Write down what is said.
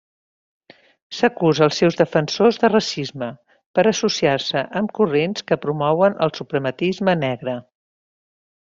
S'acusa els seus defensors de racisme, per associar-se amb corrents que promouen el suprematisme negre.